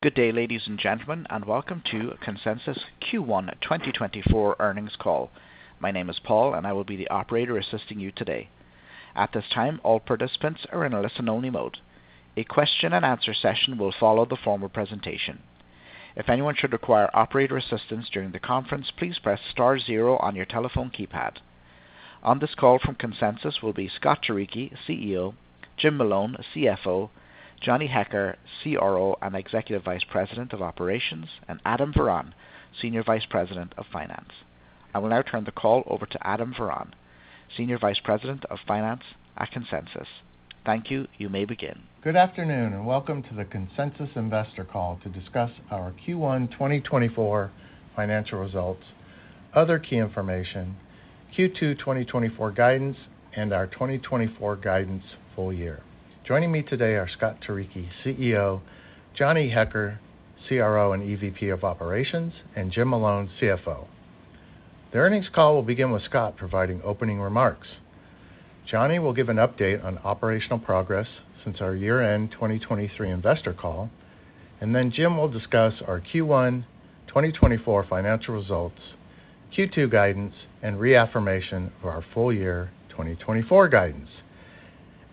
Good day, ladies and gentlemen, and welcome to Consensus Cloud Solutions Q1 2024 Earnings Call. My name is Paul, and I will be the operator assisting you today. At this time, all participants are in a listen-only mode. A question-and-answer session will follow the formal presentation. If anyone should require operator assistance during the conference, please press star zero on your telephone keypad. On this call from Consensus Cloud Solutions will be Scott Turicchi, CEO, Jim Malone, CFO, Johnny Hecker, CRO and Executive Vice President of Operations, and Adam Varon, Senior Vice President of Finance. I will now turn the call over to Adam Varon, Senior Vice President of Finance at Consensus Cloud Solutions. Thank you. You may begin. Good afternoon, and welcome to the Consensus Cloud Solutions investor call to discuss our Q1 2024 financial results, other key information, Q2 2024 guidance, and our 2024 full year guidance. Joining me today are Scott Turicchi, CEO; Johnny Hecker, CRO, and EVP of Operations; and Jim Malone, CFO. The earnings call will begin with Scott providing opening remarks. Johnny will give an update on operational progress since our year-end 2023 investor call, and then Jim will discuss our Q1 2024 financial results, Q2 guidance, and reaffirmation of our full year 2024 guidance.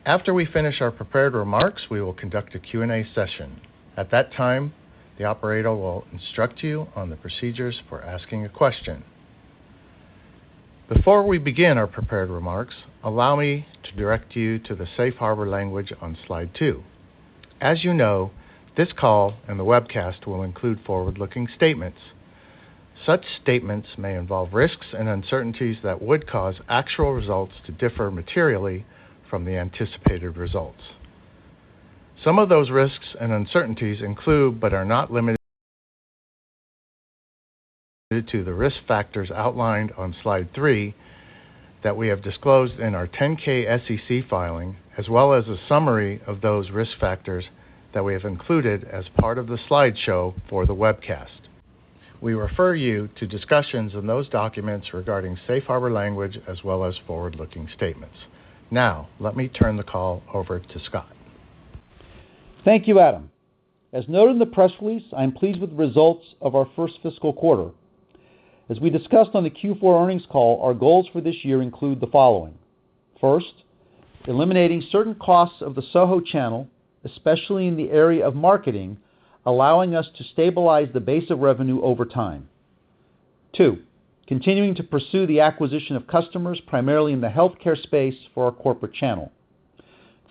After we finish our prepared remarks, we will conduct a Q&A session. At that time, the operator will instruct you on the procedures for asking a question. Before we begin our prepared remarks, allow me to direct you to the safe harbor language on slide two. As you know, this call and the webcast will include forward-looking statements. Such statements may involve risks and uncertainties that would cause actual results to differ materially from the anticipated results. Some of those risks and uncertainties include, but are not limited to, the risk factors outlined on slide three that we have disclosed in our 10-K SEC filing, as well as a summary of those risk factors that we have included as part of the slideshow for the webcast. We refer you to discussions in those documents regarding safe harbor language, as well as forward-looking statements. Now, let me turn the call over to Scott. Thank you, Adam. As noted in the press release, I am pleased with the results of our first fiscal quarter. As we discussed on the Q4 earnings call, our goals for this year include the following: First, eliminating certain costs of the SOHO channel, especially in the area of marketing, allowing us to stabilize the base of revenue over time. Two, continuing to pursue the acquisition of customers, primarily in the healthcare space, for our corporate channel.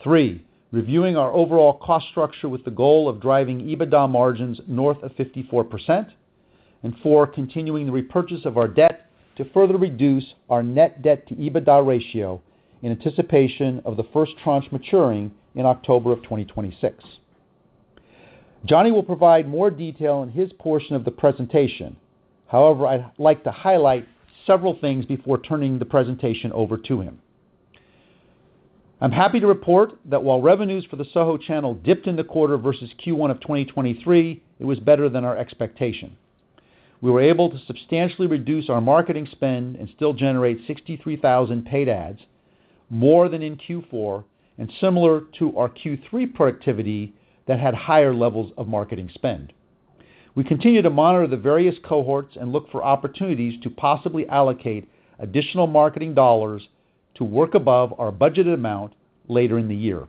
Three, reviewing our overall cost structure with the goal of driving EBITDA margins north of 54%. And four, continuing the repurchase of our debt to further reduce our net debt to EBITDA ratio in anticipation of the first tranche maturing in October of 2026. Johnny will provide more detail in his portion of the presentation. However, I'd like to highlight several things before turning the presentation over to him. I'm happy to report that while revenues for the SOHO channel dipped in the quarter versus Q1 of 2023, it was better than our expectation. We were able to substantially reduce our marketing spend and still generate 63,000 paid ads, more than in Q4 and similar to our Q3 productivity that had higher levels of marketing spend. We continue to monitor the various cohorts and look for opportunities to possibly allocate additional marketing dollars to work above our budgeted amount later in the year.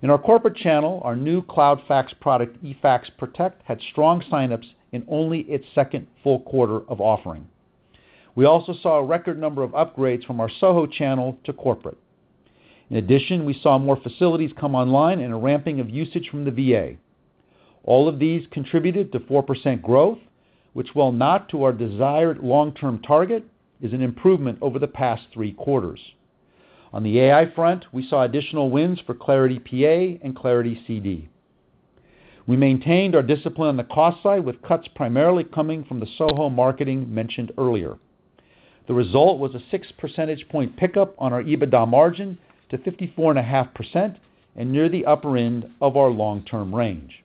In our corporate channel, our new cloud fax product, eFax Protect, had strong sign-ups in only its second full quarter of offering. We also saw a record number of upgrades from our SOHO channel to corporate. In addition, we saw more facilities come online and a ramping of usage from the VA. All of these contributed to 4% growth, which, while not to our desired long-term target, is an improvement over the past 3 quarters. On the AI front, we saw additional wins for Clarity PA and Clarity CD. We maintained our discipline on the cost side, with cuts primarily coming from the SOHO marketing mentioned earlier. The result was a 6 percentage point pickup on our EBITDA margin to 54.5% and near the upper end of our long-term range.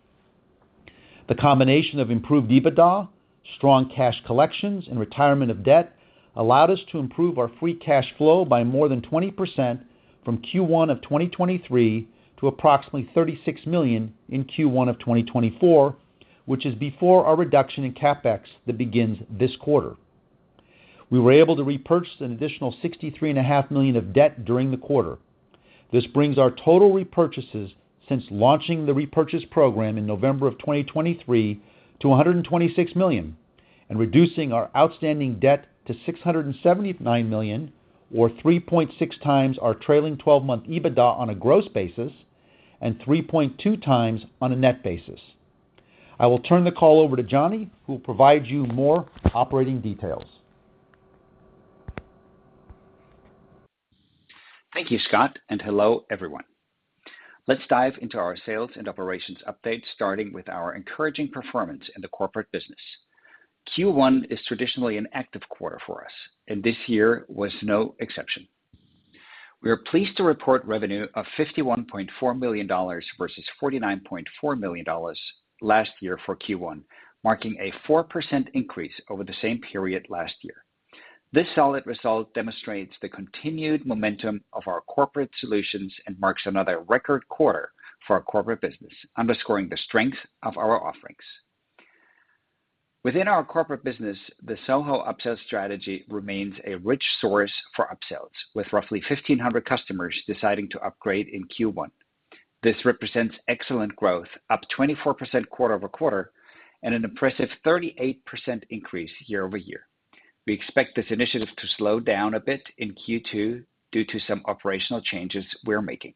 The combination of improved EBITDA, strong cash collections, and retirement of debt allowed us to improve our free cash flow by more than 20% from Q1 of 2023 to approximately $36 million in Q1 of 2024, which is before our reduction in CapEx that begins this quarter. We were able to repurchase an additional $63.5 million of debt during the quarter. This brings our total repurchases since launching the repurchase program in November of 2023 to $126 million, and reducing our outstanding debt to $679 million, or 3.6 times our trailing twelve-month EBITDA on a gross basis and 3.2 times on a net basis. I will turn the call over to Johnny, who will provide you more operating details. Thank you, Scott, and hello, everyone. Let's dive into our sales and operations update, starting with our encouraging performance in the corporate business. Q1 is traditionally an active quarter for us, and this year was no exception. We are pleased to report revenue of $51.4 million versus $49.4 million last year for Q1, marking a 4% increase over the same period last year. This solid result demonstrates the continued momentum of our corporate solutions and marks another record quarter for our corporate business, underscoring the strength of our offerings. Within our corporate business, the SOHO upsell strategy remains a rich source for upsells, with roughly 1,500 customers deciding to upgrade in Q1. This represents excellent growth, up 24% quarter-over-quarter, and an impressive 38% increase year-over-year. We expect this initiative to slow down a bit in Q2 due to some operational changes we're making.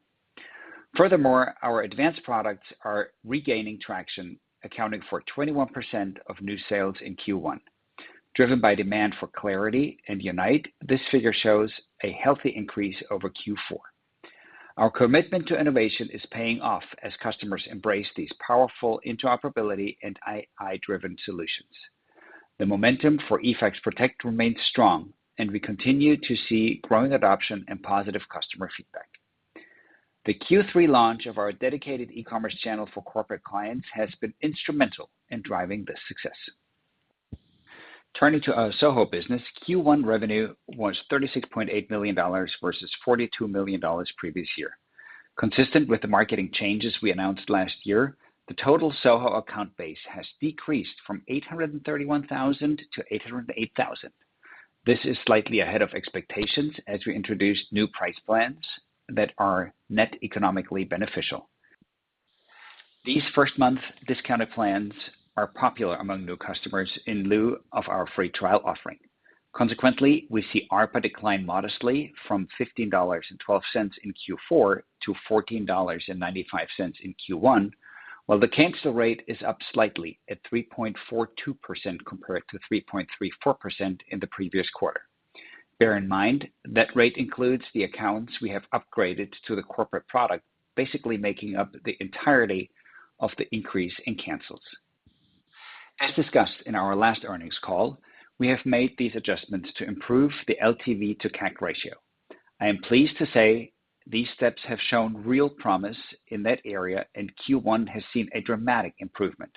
Furthermore, our advanced products are regaining traction, accounting for 21% of new sales in Q1, driven by demand for Clarity and Unite. This figure shows a healthy increase over Q4. Our commitment to innovation is paying off as customers embrace these powerful interoperability and AI-driven solutions. The momentum for eFax Protect remains strong, and we continue to see growing adoption and positive customer feedback. The Q3 launch of our dedicated e-commerce channel for corporate clients has been instrumental in driving this success. Turning to our SOHO business, Q1 revenue was $36.8 million, versus $42 million previous year. Consistent with the marketing changes we announced last year, the total SOHO account base has decreased from 831,000 to 808,000. This is slightly ahead of expectations as we introduce new price plans that are net economically beneficial. These first-month discounted plans are popular among new customers in lieu of our free trial offering. Consequently, we see ARPA decline modestly from $15.12 in Q4 to $14.95 in Q1, while the cancel rate is up slightly at 3.42%, compared to 3.34% in the previous quarter. Bear in mind, that rate includes the accounts we have upgraded to the corporate product, basically making up the entirety of the increase in cancels. As discussed in our last earnings call, we have made these adjustments to improve the LTV to CAC ratio. I am pleased to say these steps have shown real promise in that area, and Q1 has seen a dramatic improvement,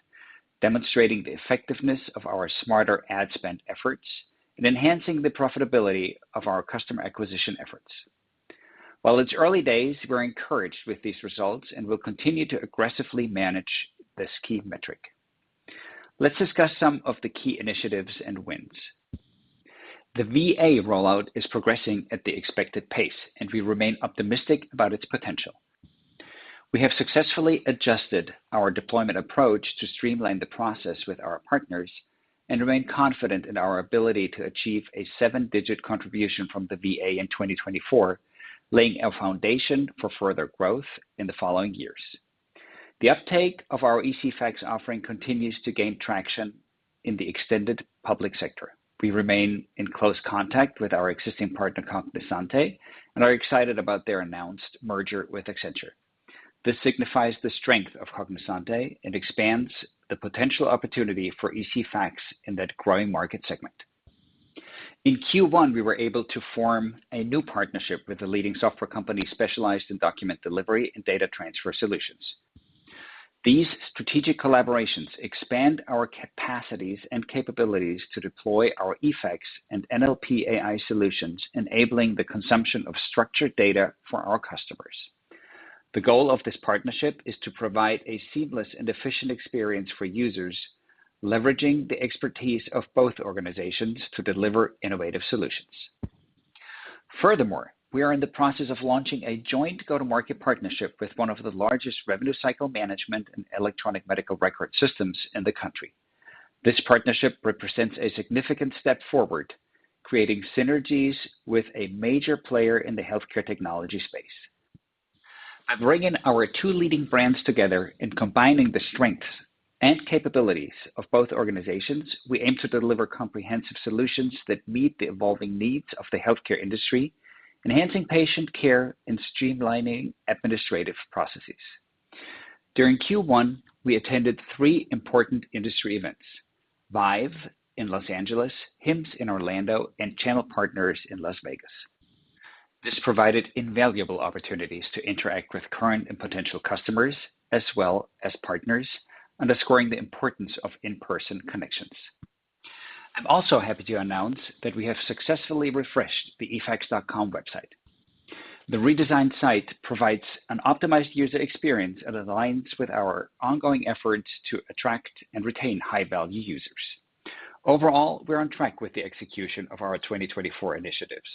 demonstrating the effectiveness of our smarter ad spend efforts and enhancing the profitability of our customer acquisition efforts. While it's early days, we're encouraged with these results and will continue to aggressively manage this key metric. Let's discuss some of the key initiatives and wins. The VA rollout is progressing at the expected pace, and we remain optimistic about its potential. We have successfully adjusted our deployment approach to streamline the process with our partners and remain confident in our ability to achieve a seven-digit contribution from the VA in 2024, laying a foundation for further growth in the following years. The uptake of our ECFax offering continues to gain traction in the extended public sector. We remain in close contact with our existing partner, Cognizant, and are excited about their announced merger with Accenture. This signifies the strength of Cognizant and expands the potential opportunity for ECFax in that growing market segment. In Q1, we were able to form a new partnership with a leading software company specialized in document delivery and data transfer solutions. These strategic collaborations expand our capacities and capabilities to deploy our eFax and NLP AI solutions, enabling the consumption of structured data for our customers. The goal of this partnership is to provide a seamless and efficient experience for users, leveraging the expertise of both organizations to deliver innovative solutions. Furthermore, we are in the process of launching a joint go-to-market partnership with one of the largest revenue cycle management and electronic medical record systems in the country. This partnership represents a significant step forward, creating synergies with a major player in the healthcare technology space. By bringing our two leading brands together and combining the strengths and capabilities of both organizations, we aim to deliver comprehensive solutions that meet the evolving needs of the healthcare industry, enhancing patient care, and streamlining administrative processes. During Q1, we attended three important industry events, ViVE in Los Angeles, HIMSS in Orlando and Channel Partners in Las Vegas. This provided invaluable opportunities to interact with current and potential customers, as well as partners, underscoring the importance of in-person connections. I'm also happy to announce that we have successfully refreshed the eFax.com website. The redesigned site provides an optimized user experience and aligns with our ongoing efforts to attract and retain high-value users. Overall, we're on track with the execution of our 2024 initiatives.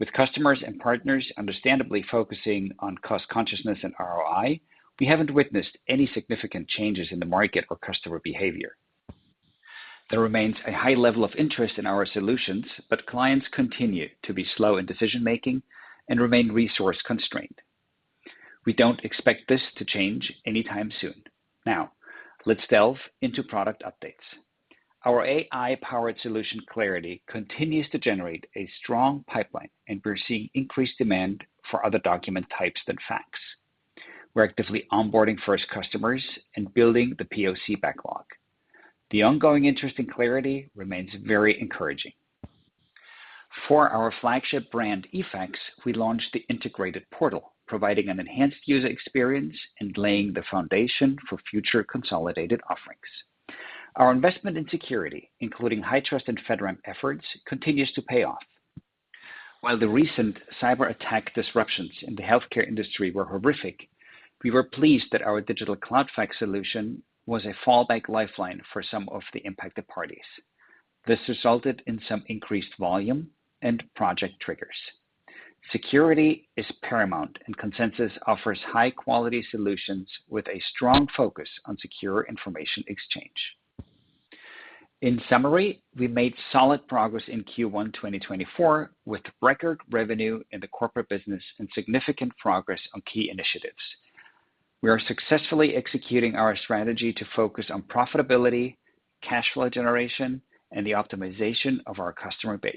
With customers and partners understandably focusing on cost-consciousness and ROI, we haven't witnessed any significant changes in the market or customer behavior. There remains a high level of interest in our solutions, but clients continue to be slow in decision-making and remain resource-constrained. We don't expect this to change anytime soon. Now, let's delve into product updates. Our AI-powered solution, Clarity, continues to generate a strong pipeline, and we're seeing increased demand for other document types than fax. We're actively onboarding first customers and building the POC backlog. The ongoing interest in Clarity remains very encouraging. For our flagship brand, eFax, we launched the integrated portal, providing an enhanced user experience and laying the foundation for future consolidated offerings. Our investment in security, including HITRUST and FedRAMP efforts, continues to pay off. While the recent cyberattack disruptions in the healthcare industry were horrific, we were pleased that our digital cloud fax solution was a fallback lifeline for some of the impacted parties. This resulted in some increased volume and project triggers. Security is paramount, and Consensus offers high-quality solutions with a strong focus on secure information exchange. In summary, we made solid progress in Q1 2024, with record revenue in the corporate business and significant progress on key initiatives. We are successfully executing our strategy to focus on profitability, cash flow generation, and the optimization of our customer base.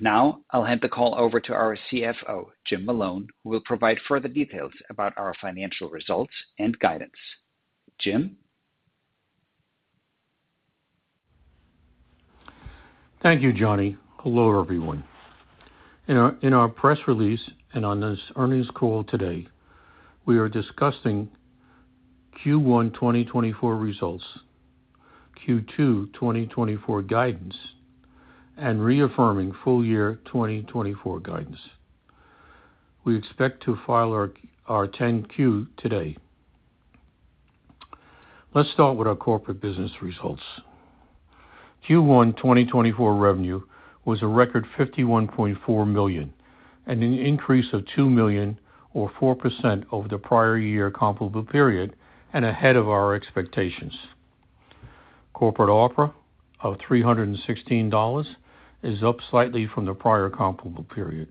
Now I'll hand the call over to our CFO, Jim Malone, who will provide further details about our financial results and guidance. Jim? Thank you, Johnny. Hello, everyone. In our press release and on this earnings call today, we are discussing Q1 2024 results, Q2 2024 guidance, and reaffirming full-year 2024 guidance. We expect to file our 10-Q today. Let's start with our corporate business results. Q1 2024 revenue was a record $51.4 million, and an increase of $2 million or 4% over the prior-year comparable period, and ahead of our expectations. Corporate ARPA of $316 is up slightly from the prior comparable period.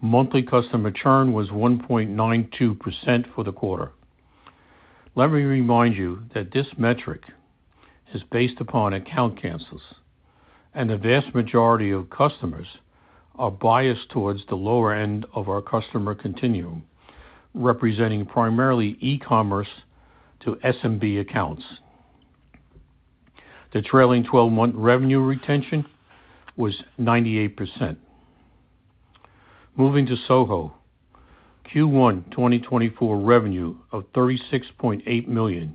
Monthly customer churn was 1.92% for the quarter. Let me remind you that this metric is based upon account cancels, and the vast majority of customers are based towards the lower end of our customer continuum, representing primarily e-commerce to SMB accounts. The trailing twelve-month revenue retention was 98%. Moving to SOHO, Q1 2024 revenue of $36.8 million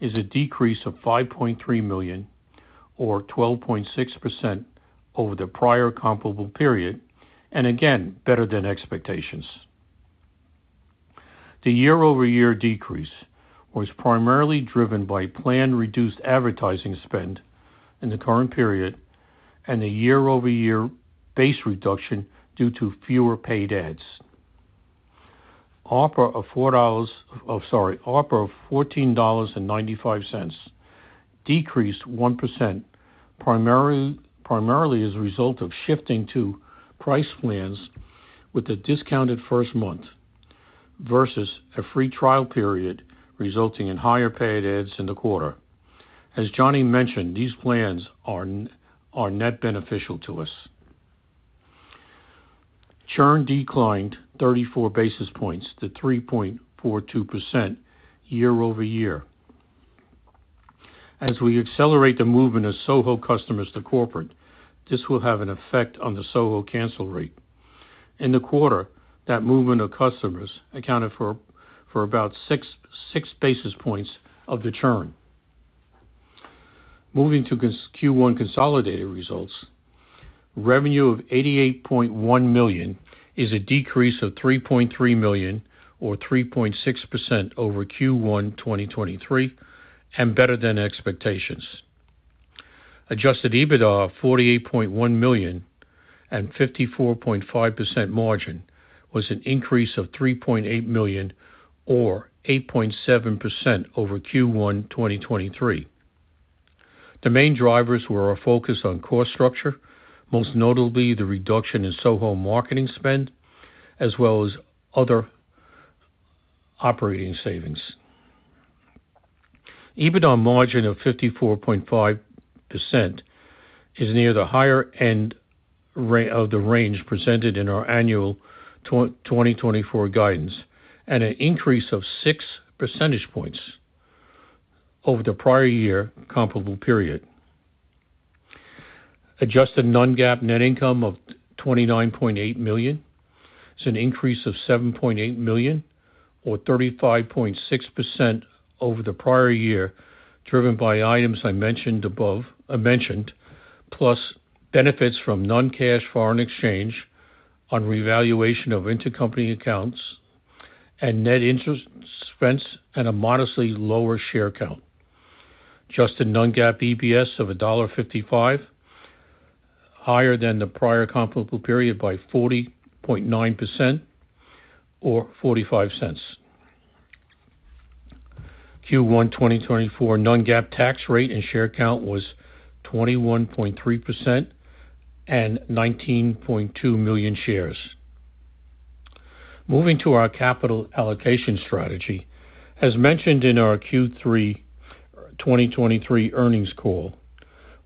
is a decrease of $5.3 million, or 12.6% over the prior comparable period, and again, better than expectations. The year-over-year decrease was primarily driven by planned reduced advertising spend in the current period and a year-over-year base reduction due to fewer paid ads. Offer of four dollars—oh, sorry, offer of $14.95 decreased 1%, primarily, primarily as a result of shifting to price plans with a discounted first month versus a free trial period, resulting in higher paid ads in the quarter. As Johnny mentioned, these plans are are net beneficial to us. Churn declined 34 basis points to 3.42% year-over-year. As we accelerate the movement of SOHO customers to corporate, this will have an effect on the SOHO cancel rate. In the quarter, that movement of customers accounted for about 6 basis points of the churn. Moving to Q1 consolidated results, revenue of $88.1 million is a decrease of $3.3 million, or 3.6% over Q1 2023, and better than expectations. Adjusted EBITDA of $48.1 million and 54.5% margin was an increase of $3.8 million, or 8.7% over Q1 2023. The main drivers were our focus on cost structure, most notably the reduction in SOHO marketing spend, as well as other operating savings. EBITDA margin of 54.5% is near the higher end of the range presented in our annual 2024 guidance, and an increase of six percentage points over the prior year comparable period. Adjusted non-GAAP net income of $29.8 million is an increase of $7.8 million, or 35.6% over the prior year, driven by items I mentioned above, I mentioned, plus benefits from non-cash foreign exchange on revaluation of intercompany accounts and net interest expense at a modestly lower share count. Adjusted non-GAAP EPS of $1.55, higher than the prior comparable period by 40.9% or $0.45. Q1 2024 non-GAAP tax rate and share count was 21.3% and 19.2 million shares. Moving to our capital allocation strategy, as mentioned in our Q3 2023 earnings call,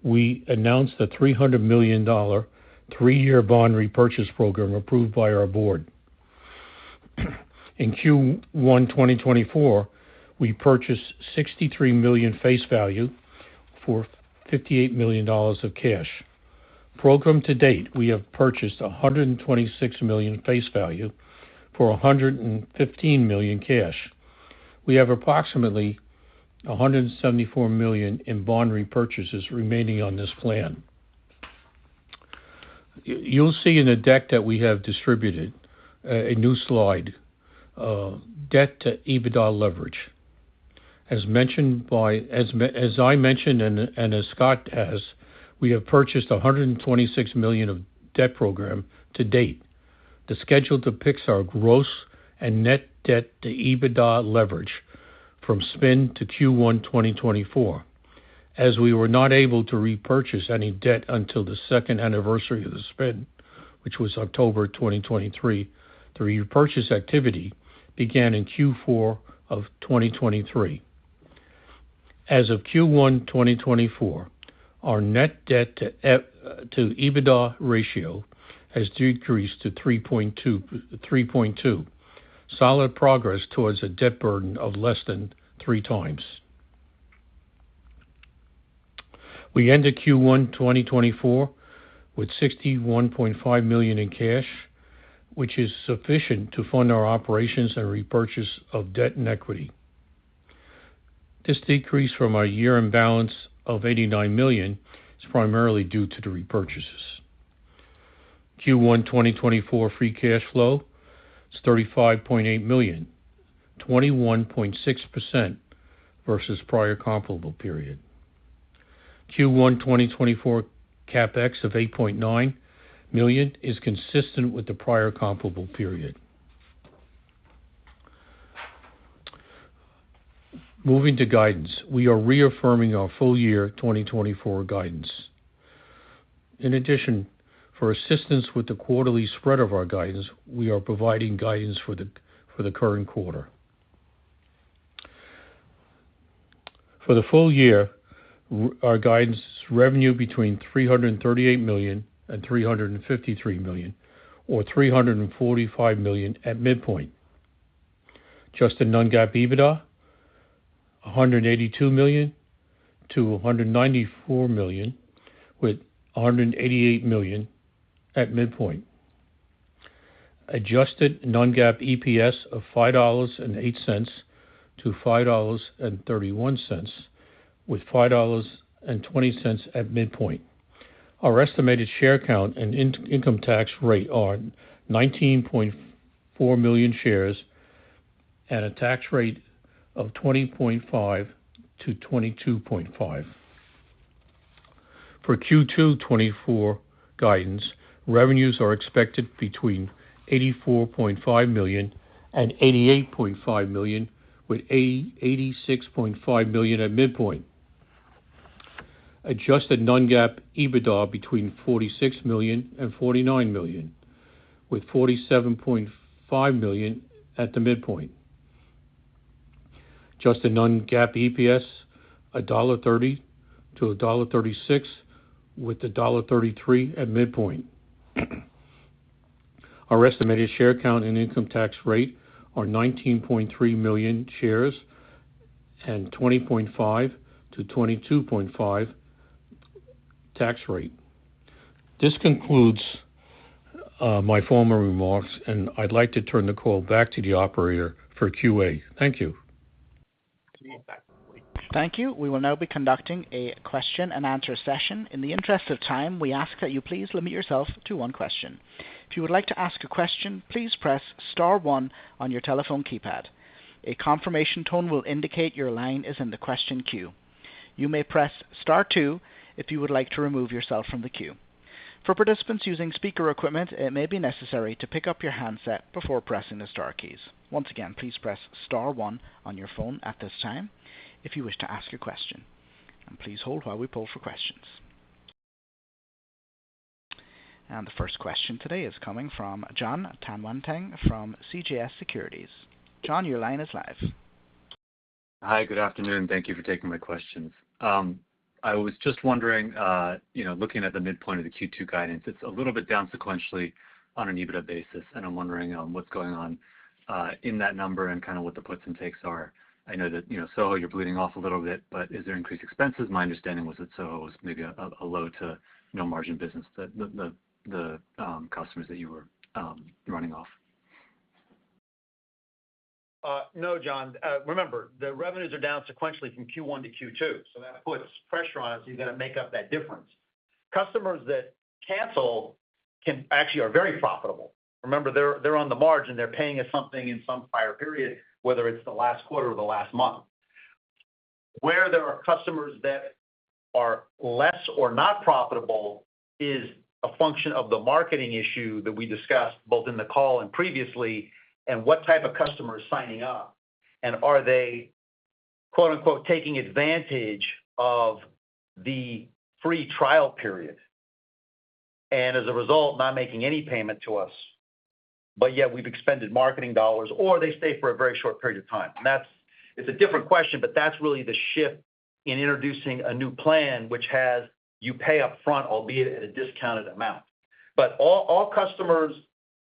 we announced a $300 million three-year bond repurchase program approved by our board. In Q1 2024, we purchased $63 million face value for $58 million of cash. To date, we have purchased $126 million face value for $115 million cash. We have approximately $174 million in bond repurchases remaining on this plan. You'll see in the deck that we have distributed a new slide, debt to EBITDA leverage. As I mentioned, and as Scott has, we have purchased $126 million of debt to date. The schedule depicts our gross and net debt to EBITDA leverage from spin to Q1 2024. As we were not able to repurchase any debt until the second anniversary of the spin, which was October 2023, the repurchase activity began in Q4 of 2023. As of Q1 2024, our net debt to EBITDA ratio has decreased to 3.2, 3.2, solid progress towards a debt burden of less than three times. We ended Q1 2024 with $61.5 million in cash, which is sufficient to fund our operations and repurchase of debt and equity. This decrease from our year-end balance of $89 million is primarily due to the repurchases. Q1 2024 free cash flow is $35.8 million, 21.6% versus prior comparable period. Q1 2024 CapEx of $8.9 million is consistent with the prior comparable period. Moving to guidance, we are reaffirming our full year 2024 guidance. In addition, for assistance with the quarterly spread of our guidance, we are providing guidance for the current quarter. For the full year, our guidance revenue $338 million-$353 million, or $345 million at midpoint. Adjusted non-GAAP EBITDA $182 million-$194 million, with $188 million at midpoint. Adjusted non-GAAP EPS of $5.08-$5.31, with $5.20 at midpoint. Our estimated share count and income tax rate are 19.4 million shares at a tax rate of 20.5%-22.5%. For Q2 2024 guidance, revenues are expected between $84.5 million-$88.5 million, with $86.5 million at the midpoint. Adjusted non-GAAP EBITDA between $46 million-$49 million, with $47.5 million at the midpoint. Adjusted non-GAAP EPS $1.30-$1.36, with $1.33 at midpoint. Our estimated share count and income tax rate are 19.3 million shares and 20.5%-22.5% tax rate. This concludes my formal remarks, and I'd like to turn the call back to the operator for QA. Thank you. Thank you. We will now be conducting a question and answer session. In the interest of time, we ask that you please limit yourself to one question. If you would like to ask a question, please press star one on your telephone keypad. A confirmation tone will indicate your line is in the question queue. You may press star two if you would like to remove yourself from the queue. For participants using speaker equipment, it may be necessary to pick up your handset before pressing the star keys. Once again, please press star one on your phone at this time if you wish to ask a question, and please hold while we pull for questions. The first question today is coming from John Tanwanteng from CJS Securities. John, your line is live. Hi, good afternoon. Thank you for taking my questions. I was just wondering, you know, looking at the midpoint of the Q2 guidance, it's a little bit down sequentially on an EBITDA basis, and I'm wondering, what's going on in that number and kind of what the puts and takes are. I know that, you know, SOHO, you're bleeding off a little bit, but is there increased expenses? My understanding was that SOHO was maybe a low to no margin business, the customers that you were running off. No, John. Remember, the revenues are down sequentially from Q1 to Q2, so that puts pressure on us. You've got to make up that difference. Customers that cancel can actually are very profitable. Remember, they're, they're on the margin. They're paying us something in some prior period, whether it's the last quarter or the last month. Where there are customers that are less or not profitable is a function of the marketing issue that we discussed, both in the call and previously, and what type of customer is signing up, and are they, quote, unquote, “taking advantage of the free trial period,” and as a result, not making any payment to us, but yet we've expended marketing dollars or they stay for a very short period of time. And that's... It's a different question, but that's really the shift in introducing a new plan, which has you pay upfront, albeit at a discounted amount... but all, all customers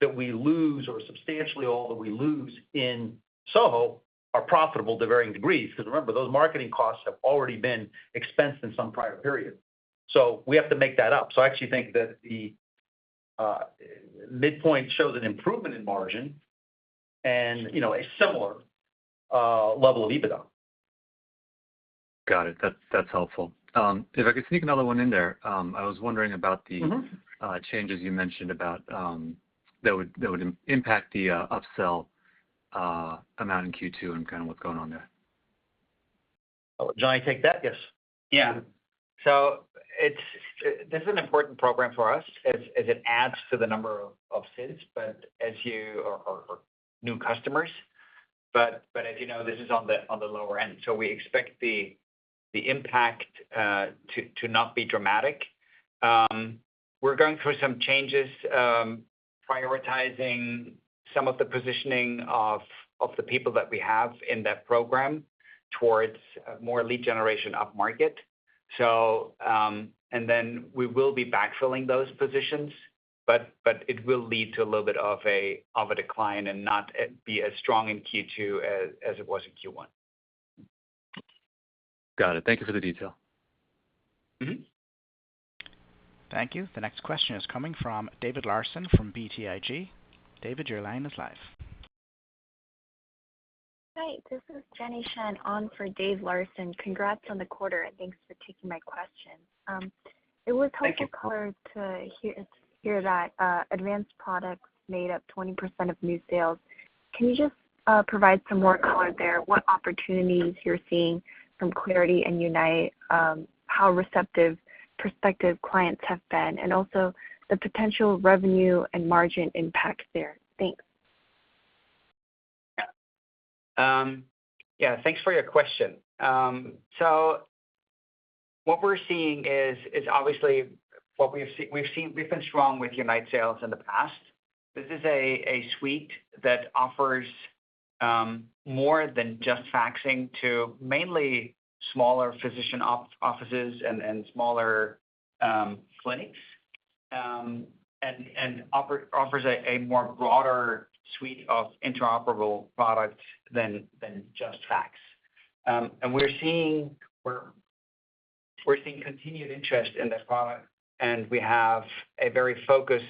that we lose, or substantially all that we lose in SOHO, are profitable to varying degrees. Because remember, those marketing costs have already been expensed in some prior period. So we have to make that up. So I actually think that the midpoint shows an improvement in margin and, you know, a similar level of EBITDA. Got it. That's, that's helpful. If I could sneak another one in there, I was wondering about the- Mm-hmm. Changes you mentioned about that would impact the upsell amount in Q2 and kind of what's going on there. Well, Johnny, take that? Yes. Yeah. So this is an important program for us as it adds to the number of upsells or new customers. But as you know, this is on the lower end, so we expect the impact to not be dramatic. We're going through some changes, prioritizing some of the positioning of the people that we have in that program towards more lead generation upmarket. So and then we will be backfilling those positions, but it will lead to a little bit of a decline and not be as strong in Q2 as it was in Q1. Got it. Thank you for the detail. Mm-hmm. Thank you. The next question is coming from David Larsen from BTIG. David, your line is live. Hi, this is Jenny Shen on for David Larsen. Congrats on the quarter, and thanks for taking my question. It was helpful- Thank you. Glad to hear that advanced products made up 20% of new sales. Can you just provide some more color there, what opportunities you're seeing from Clarity and Unite, how receptive prospective clients have been, and also the potential revenue and margin impact there? Thanks. Yeah, thanks for your question. So what we're seeing is obviously what we've seen. We've been strong with Unite sales in the past. This is a suite that offers more than just faxing to mainly smaller physician offices and smaller clinics, and offers a more broader suite of interoperable products than just fax. And we're seeing continued interest in that product, and we have a very focused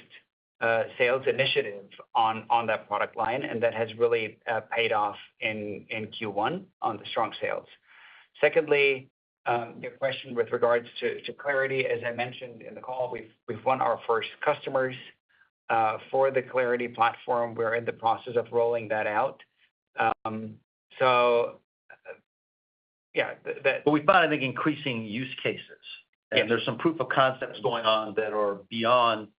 sales initiative on that product line, and that has really paid off in Q1 on the strong sales. Secondly, your question with regards to Clarity. As I mentioned in the call, we've won our first customers for the Clarity platform. We're in the process of rolling that out. So yeah, that- We find, I think, increasing use cases. Yeah. There's some proof of concepts going on that are beyond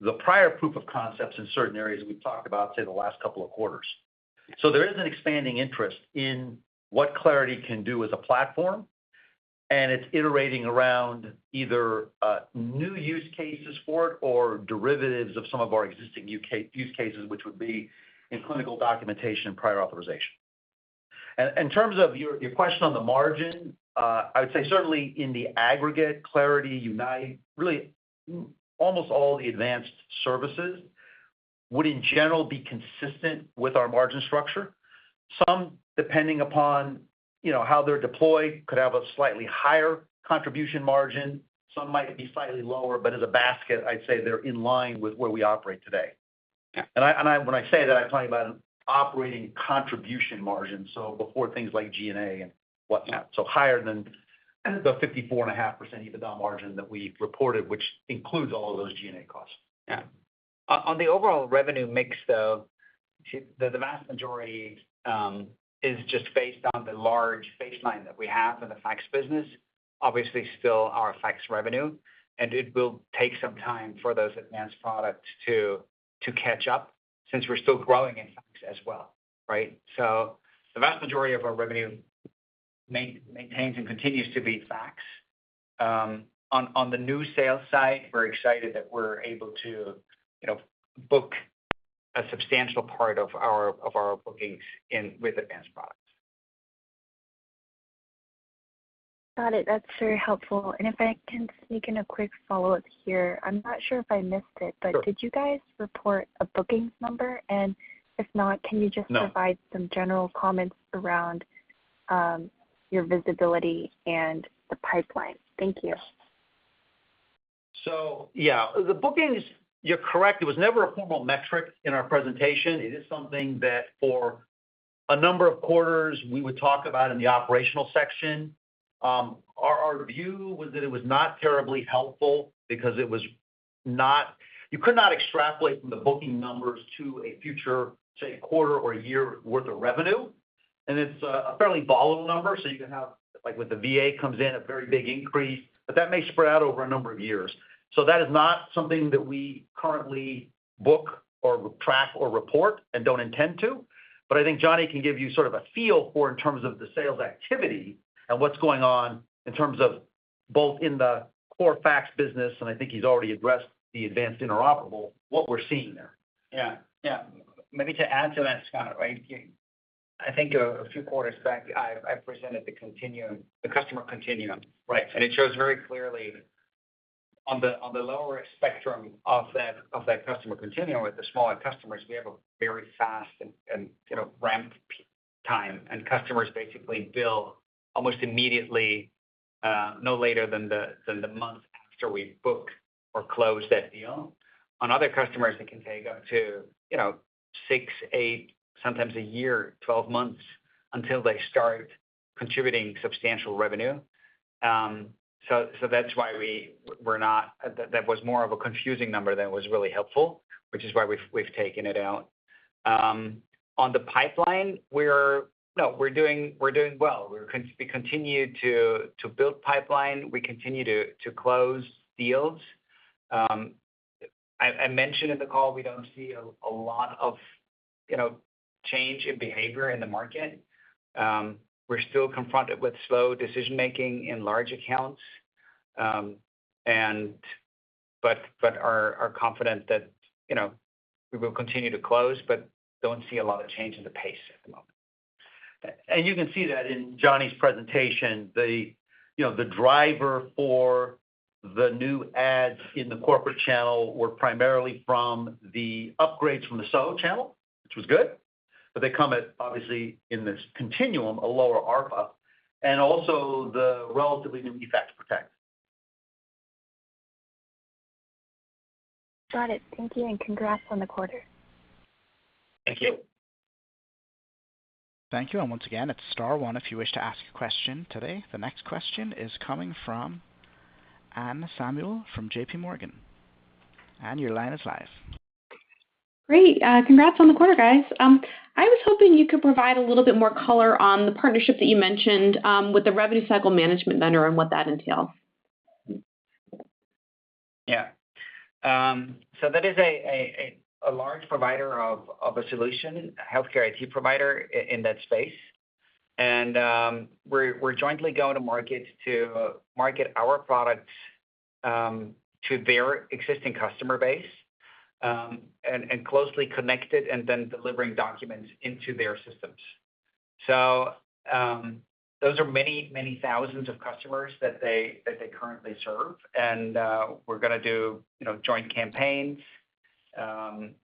the prior proof of concepts in certain areas we've talked about, say, the last couple of quarters. There is an expanding interest in what Clarity can do as a platform, and it's iterating around either new use cases for it or derivatives of some of our existing use cases, which would be in clinical documentation and prior authorization. In terms of your question on the margin, I would say certainly in the aggregate, Clarity, Unite, really, almost all the advanced services would, in general, be consistent with our margin structure. Some, depending upon, you know, how they're deployed, could have a slightly higher contribution margin. Some might be slightly lower, but as a basket, I'd say they're in line with where we operate today. Yeah. When I say that, I'm talking about an operating contribution margin, so before things like G&A and whatnot. Yeah. Higher than the 54.5% EBITDA margin that we reported, which includes all of those G&A costs. Yeah. On the overall revenue mix, though, the vast majority is just based on the large baseline that we have in the fax business, obviously still our fax revenue, and it will take some time for those advanced products to catch up since we're still growing in fax as well, right? So the vast majority of our revenue maintains and continues to be fax. On the new sales side, we're excited that we're able to, you know, book a substantial part of our bookings with advanced products. Got it. That's very helpful. If I can sneak in a quick follow-up here. I'm not sure if I missed it- Sure. But did you guys report a bookings number? And if not, can you just- No Provide some general comments around your visibility and the pipeline? Thank you. So yeah, the bookings, you're correct, it was never a formal metric in our presentation. It is something that for a number of quarters, we would talk about in the operational section. Our view was that it was not terribly helpful because it was not—you could not extrapolate from the booking numbers to a future, say, quarter or year worth of revenue, and it's a fairly volatile number. So you can have, like with the VA, comes in a very big increase, but that may spread out over a number of years. So that is not something that we currently book or track or report, and don't intend to. But I think Johnny can give you sort of a feel for, in terms of, the sales activity and what's going on in terms of both in the core fax business, and I think he's already addressed the advanced interoperability, what we're seeing there. Yeah, yeah. Maybe to add to that, Scott, right? I think a few quarters back, I presented the continuum, the customer continuum, right? And it shows very clearly on the lower spectrum of that customer continuum with the smaller customers, we have a very fast and you know, ramp time, and customers basically bill almost immediately, no later than the month after we book or close that deal. On other customers, it can take up to you know, 6, 8, sometimes a year, 12 months, until they start contributing substantial revenue. So, that's why we're not. That was more of a confusing number than it was really helpful, which is why we've taken it out. On the pipeline, we're doing well. We're continuing to build pipeline. We continue to close deals. I mentioned in the call, we don't see a lot of, you know, change in behavior in the market. We're still confronted with slow decision-making in large accounts, and but are confident that, you know, we will continue to close, but don't see a lot of change in the pace at the moment. You can see that in Johnny's presentation, the, you know, the driver for the new ads in the corporate channel were primarily from the upgrades from the solo channel, which was good, but they come at, obviously, in this continuum, a lower ARPA, and also the relatively new eFax Protect. Got it. Thank you, and congrats on the quarter. Thank you. Thank you. Once again, it's star one if you wish to ask a question today. The next question is coming from Anne Samuel from JP Morgan. Anne, your line is live. Great. Congrats on the quarter, guys. I was hoping you could provide a little bit more color on the partnership that you mentioned with the revenue cycle management vendor and what that entails. Yeah. So that is a large provider of a solution, a healthcare IT provider in that space. And we're jointly going to market our products to their existing customer base, and closely connected and then delivering documents into their systems. So those are many, many thousands of customers that they currently serve, and we're gonna do, you know, joint campaigns.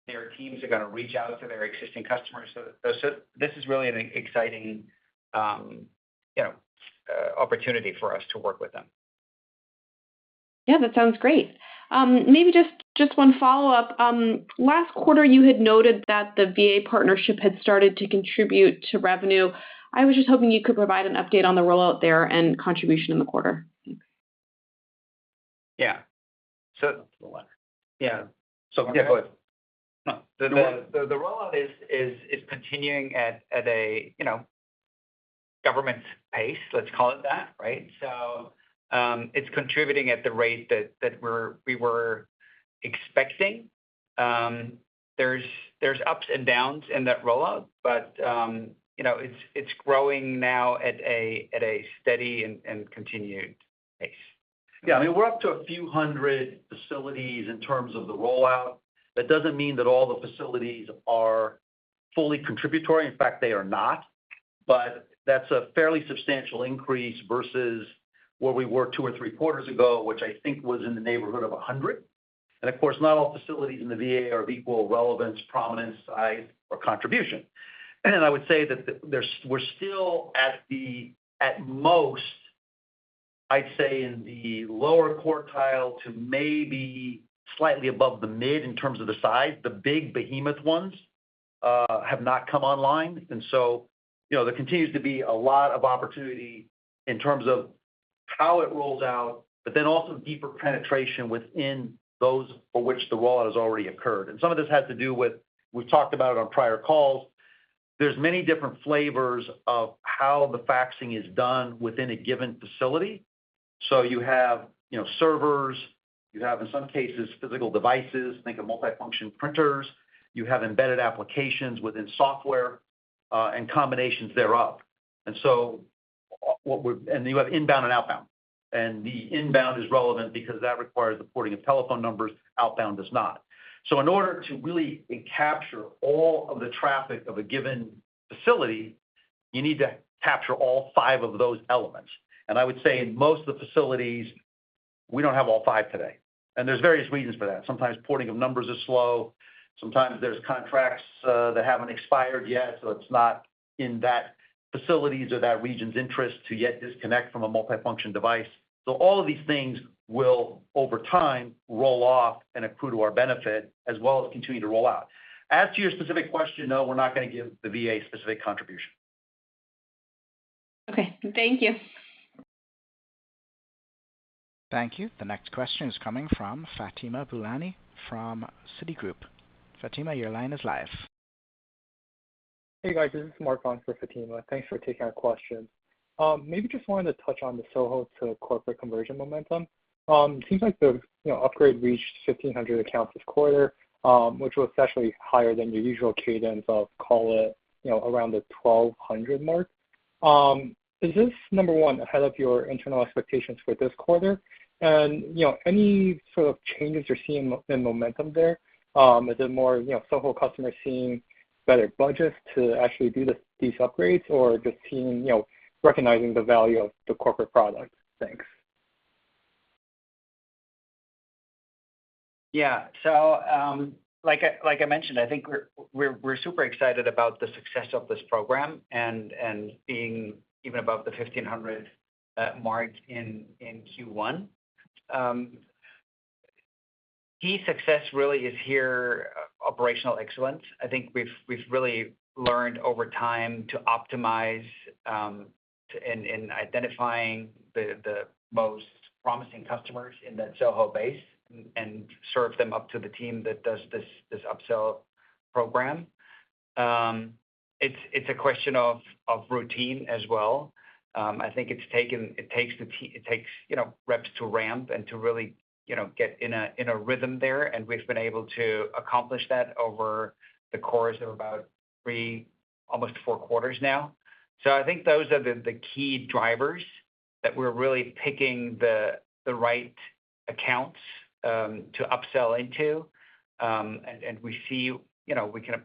Their teams are gonna reach out to their existing customers. So this is really an exciting, you know, opportunity for us to work with them. Yeah, that sounds great. Maybe just, just one follow-up. Last quarter, you had noted that the VA partnership had started to contribute to revenue. I was just hoping you could provide an update on the rollout there and contribution in the quarter. Yeah. So- Yeah. So yeah, go ahead. No, the rollout is continuing at a, you know, government pace, let's call it that, right? So, it's contributing at the rate that we're- we were expecting. There's ups and downs in that rollout, but, you know, it's growing now at a steady and continued pace. Yeah, I mean, we're up to a few hundred facilities in terms of the rollout. That doesn't mean that all the facilities are fully contributory. In fact, they are not. But that's a fairly substantial increase versus where we were 2 or 3 quarters ago, which I think was in the neighborhood of 100. And of course, not all facilities in the VA are of equal relevance, prominence, size, or contribution. And I would say that there's we're still at most, I'd say, in the lower quartile to maybe slightly above the mid in terms of the size. The big behemoth ones have not come online, and so, you know, there continues to be a lot of opportunity in terms of how it rolls out, but then also deeper penetration within those for which the rollout has already occurred. And some of this has to do with, we've talked about it on prior calls, there's many different flavors of how the faxing is done within a given facility. So you have, you know, servers, you have, in some cases, physical devices, think of multifunction printers. You have embedded applications within software, and combinations thereof. You have inbound and outbound, and the inbound is relevant because that requires the porting of telephone numbers, outbound does not. So in order to really capture all of the traffic of a given facility, you need to capture all five of those elements. And I would say in most of the facilities, we don't have all five today, and there's various reasons for that. Sometimes porting of numbers is slow, sometimes there's contracts that haven't expired yet, so it's not in that facility's or that region's interest to yet disconnect from a multifunction device. So all of these things will, over time, roll off and accrue to our benefit, as well as continue to roll out. As to your specific question, no, we're not gonna give the VA specific contribution. Okay. Thank you. Thank you. The next question is coming from Fatima Boolani from Citigroup. Fatima, your line is live. Hey, guys, this is Mark on for Fatima. Thanks for taking our question. Maybe just wanted to touch on the SOHO to corporate conversion momentum. It seems like the, you know, upgrade reached 1,500 accounts this quarter, which was actually higher than your usual cadence of, call it, you know, around the 1,200 mark. Is this, number one, ahead of your internal expectations for this quarter? And, you know, any sort of changes you're seeing in momentum there? Is it more, you know, SOHO customers seeing better budgets to actually do these upgrades or just seeing, you know, recognizing the value of the corporate product? Thanks. Yeah. So, like I mentioned, I think we're super excited about the success of this program and being even above the 1,500 mark in Q1. Key success really is here, operational excellence. I think we've really learned over time to optimize in identifying the most promising customers in that SOHO base and serve them up to the team that does this upsell program. It's a question of routine as well. I think it takes you know reps to ramp and to really you know get in a rhythm there, and we've been able to accomplish that over the course of about three, almost four quarters now. So I think those are the key drivers that we're really picking the right accounts to upsell into. And we see, you know, we kind of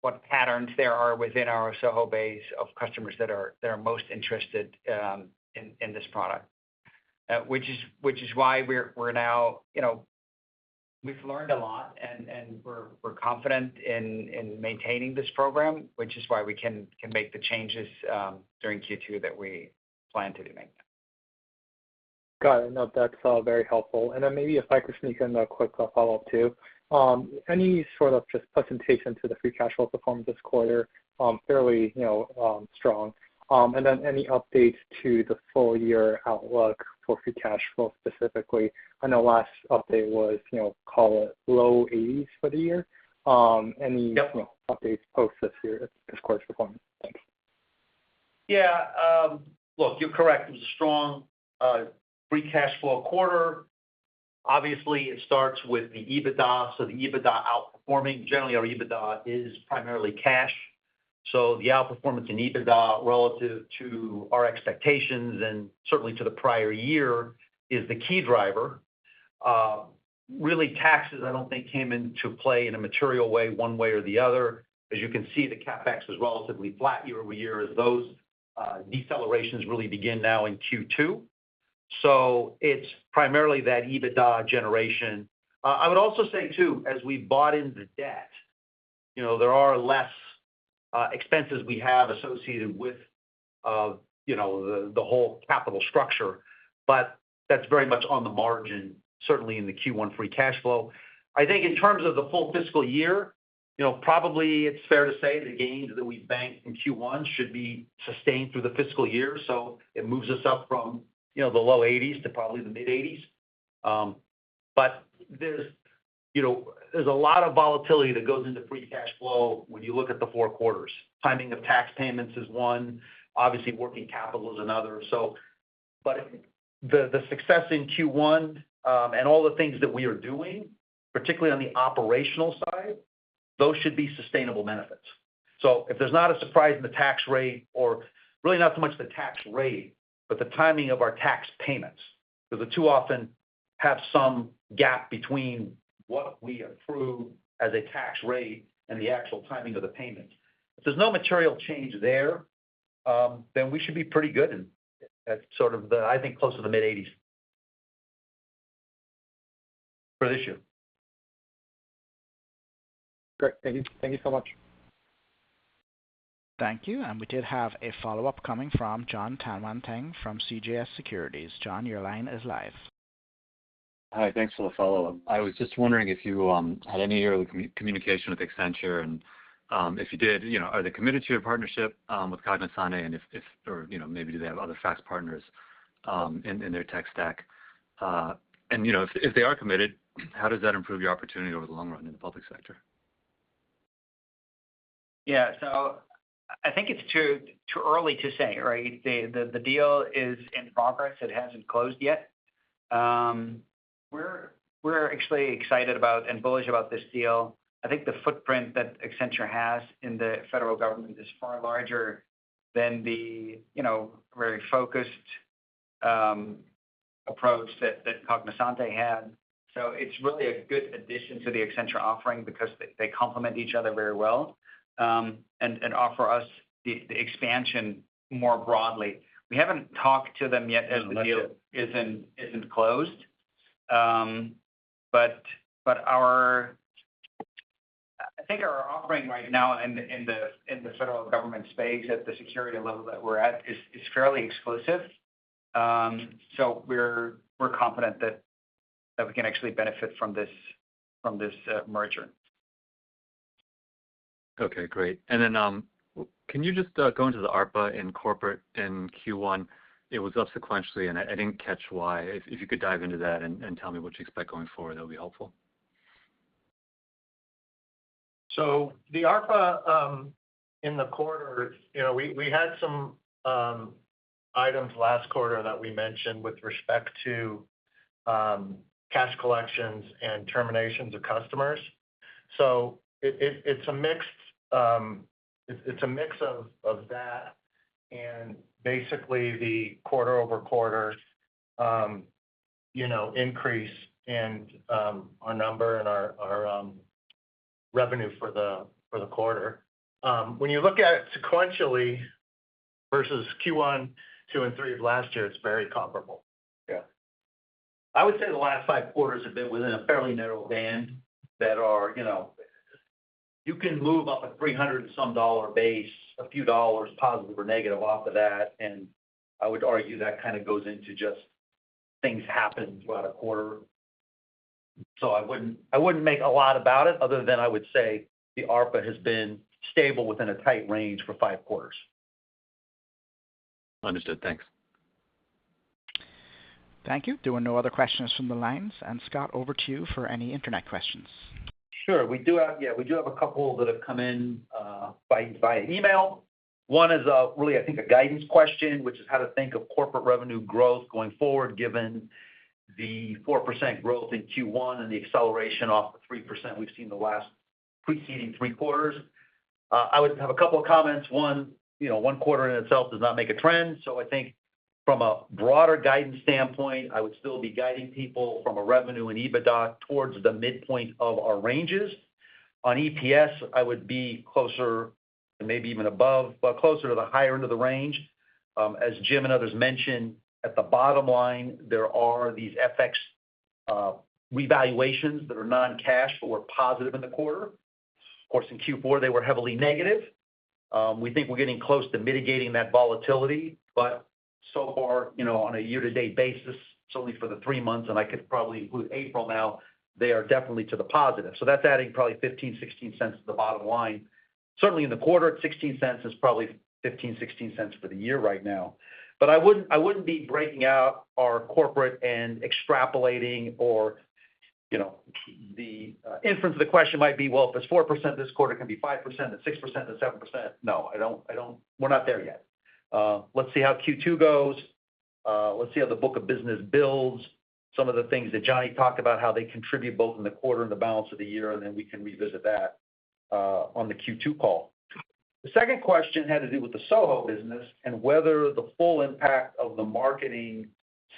what patterns there are within our SOHO base of customers that are most interested in this product. Which is why we're now, you know, we've learned a lot and we're confident in maintaining this program, which is why we can make the changes during Q2 that we plan to make. Got it. No, that's very helpful. And then maybe if I could sneak in a quick follow-up, too. Any sort of just presentation to the free cash flow performance this quarter, fairly, you know, strong. And then any updates to the full year outlook for free cash flow, specifically? I know last update was, you know, call it low 80s for the year. Any- Yep. Updates post this year, this quarter's performance. Thanks. Yeah, look, you're correct. It was a strong free cash flow quarter. Obviously, it starts with the EBITDA, so the EBITDA outperforming. Generally, our EBITDA is primarily cash, so the outperformance in EBITDA relative to our expectations and certainly to the prior year, is the key driver. Really, taxes, I don't think came into play in a material way, one way or the other. As you can see, the CapEx was relatively flat year-over-year, as those decelerations really begin now in Q2. So it's primarily that EBITDA generation. I would also say, too, as we bought into debt, you know, there are less expenses we have associated with, you know, the whole capital structure, but that's very much on the margin, certainly in the Q1 free cash flow. I think in terms of the full fiscal year, you know, probably it's fair to say the gains that we banked in Q1 should be sustained through the fiscal year, so it moves us up from, you know, the low 80s to probably the mid-80s. But there's, you know, there's a lot of volatility that goes into free cash flow when you look at the four quarters. Timing of tax payments is one, obviously, working capital is another. But the success in Q1 and all the things that we are doing, particularly on the operational side, those should be sustainable benefits. So if there's not a surprise in the tax rate or really not so much the tax rate, but the timing of our tax payments, because the two often have some gap between what we approve as a tax rate and the actual timing of the payments. If there's no material change there, then we should be pretty good at sort of the, I think, close to the mid-80s for this year. Great. Thank you. Thank you so much. Thank you. We did have a follow-up coming from John Tanwanteng from CJS Securities. John, your line is live. Hi, thanks for the follow-up. I was just wondering if you had any early communication with Accenture, and, if you did, you know, are they committed to your partnership with Cognizant? And if or, you know, maybe do they have other fax partners in their tech stack? And, you know, if they are committed, how does that improve your opportunity over the long run in the public sector? Yeah. So I think it's too early to say, right? The deal is in progress. It hasn't closed yet. We're actually excited about and bullish about this deal. I think the footprint that Accenture has in the federal government is far larger than the, you know, very focused approach that Cognizant had. So it's really a good addition to the Accenture offering because they complement each other very well, and offer us the expansion more broadly. We haven't talked to them yet, as the deal isn't closed. But our... I think our offering right now in the federal government space, at the security level that we're at, is fairly exclusive. So we're confident that we can actually benefit from this merger. Okay, great. And then, can you just go into the ARPA in corporate in Q1? It was up sequentially, and I didn't catch why. If you could dive into that and tell me what you expect going forward, that would be helpful. So the ARPA in the quarter, you know, we had some items last quarter that we mentioned with respect to cash collections and terminations of customers. So it's a mix of that and basically the quarter-over-quarter, you know, increase in our number and our revenue for the quarter. When you look at it sequentially versus Q1, 2, and 3 of last year, it's very comparable. Yeah. I would say the last 5 quarters have been within a fairly narrow band that are, you know, you can move up a $300 and some dollar base, a few dollars positive or negative off of that, and I would argue that kind of goes into just things happen throughout a quarter. So I wouldn't make a lot about it other than I would say the ARPA has been stable within a tight range for five quarters. Understood. Thanks. Thank you. There are no other questions from the lines. Scott, over to you for any internet questions. Sure. We do have... Yeah, we do have a couple that have come in by via email. One is really, I think, a guidance question, which is how to think of corporate revenue growth going forward, given the 4% growth in Q1 and the acceleration off the 3% we've seen the last preceding three quarters. I would have a couple of comments. One, you know, one quarter in itself does not make a trend, so I think from a broader guidance standpoint, I would still be guiding people from a revenue and EBITDA towards the midpoint of our ranges. On EPS, I would be closer and maybe even above, but closer to the higher end of the range. As Jim and others mentioned, at the bottom line, there are these FX revaluations that are non-cash but were positive in the quarter. Of course, in Q4, they were heavily negative. We think we're getting close to mitigating that volatility, but so far, you know, on a year-to-date basis, it's only for the three months, and I could probably include April now, they are definitely to the positive. So that's adding probably $0.15-$0.16 to the bottom line. Certainly, in the quarter, 16 cents is probably $0.15-$0.16 for the year right now. But I wouldn't, I wouldn't be breaking out our corporate and extrapolating or, you know, the, inference of the question might be, "Well, if it's 4% this quarter, it can be 5%, then 6%, then 7%." No, I don't, I don't-- we're not there yet. Let's see how Q2 goes. Let's see how the book of business builds. Some of the things that Johnny talked about, how they contribute both in the quarter and the balance of the year, and then we can revisit that on the Q2 call. The second question had to do with the SOHO business and whether the full impact of the marketing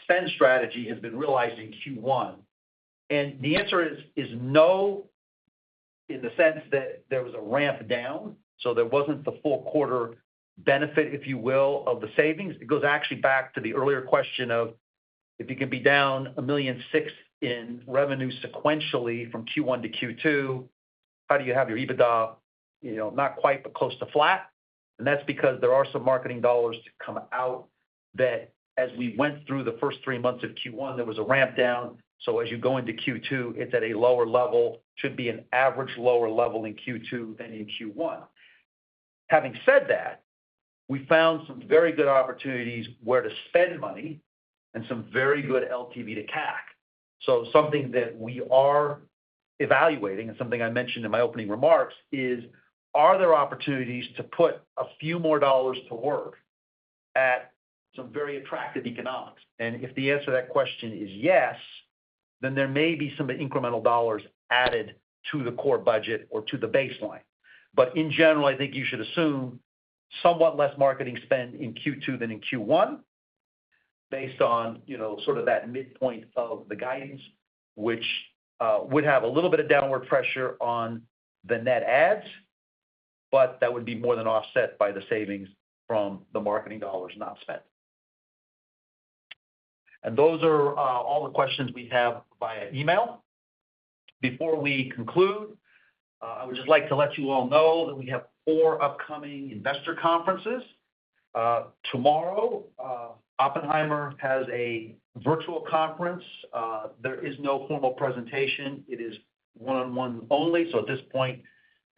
spend strategy has been realized in Q1. And the answer is, is no, in the sense that there was a ramp down, so there wasn't the full quarter benefit, if you will, of the savings. It goes actually back to the earlier question of, if you can be down $1.6 million in revenue sequentially from Q1 to Q2, how do you have your EBITDA, you know, not quite, but close to flat? That's because there are some marketing dollars to come out that as we went through the first three months of Q1, there was a ramp down, so as you go into Q2, it's at a lower level, should be an average lower level in Q2 than in Q1. Having said that, we found some very good opportunities where to spend money and some very good LTV to CAC. So something that we are evaluating and something I mentioned in my opening remarks is, are there opportunities to put a few more dollars to work at some very attractive economics? And if the answer to that question is yes, then there may be some incremental dollars added to the core budget or to the baseline. But in general, I think you should assume somewhat less marketing spend in Q2 than in Q1, based on, you know, sort of that midpoint of the guidance, which would have a little bit of downward pressure on the net adds, but that would be more than offset by the savings from the marketing dollars not spent. And those are all the questions we have via email. Before we conclude, I would just like to let you all know that we have four upcoming investor conferences. Tomorrow, Oppenheimer has a virtual conference. There is no formal presentation. It is one-on-one only. So at this point,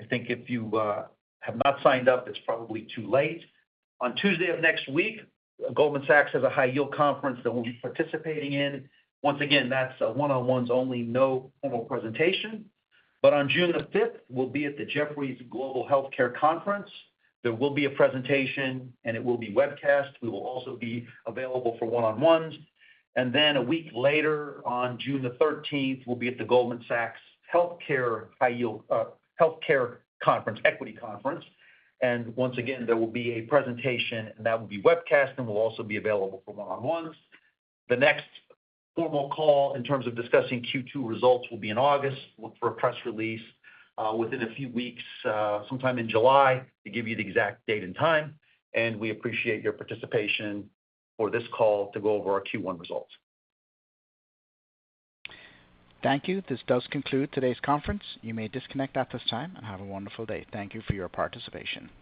I think if you have not signed up, it's probably too late. On Tuesday of next week, Goldman Sachs has a high yield conference that we'll be participating in. Once again, that's a one-on-ones only, no formal presentation. But on June the fifth, we'll be at the Jefferies Global Healthcare Conference. There will be a presentation, and it will be webcast. We will also be available for one-on-ones. And then a week later, on June the thirteenth, we'll be at the Goldman Sachs Healthcare High Yield, Healthcare Conference, Equity Conference. And once again, there will be a presentation, and that will be webcast, and we'll also be available for one-on-ones. The next formal call in terms of discussing Q2 results will be in August. Look for a press release, within a few weeks, sometime in July, to give you the exact date and time, and we appreciate your participation for this call to go over our Q1 results. Thank you. This does conclude today's conference. You may disconnect at this time and have a wonderful day. Thank you for your participation.